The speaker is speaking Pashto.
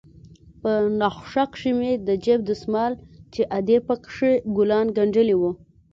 په نخښه کښې مې د جيب دسمال چې ادې پکښې ګلان گنډلي وو.